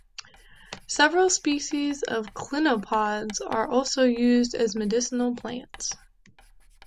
Several species of clinopods are also used as medicinal plants.